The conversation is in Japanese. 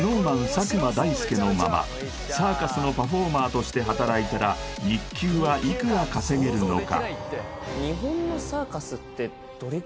佐久間大介のままサーカスのパフォーマーとして働いたら日給はいくら稼げるのか？